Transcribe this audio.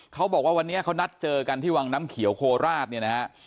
เขาบอกว่าวันนี้เขานัดเจอกันที่วังน้ำเขียวโคราชเนี่ยนะฮะ